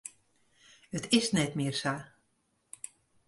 It is net mear sa.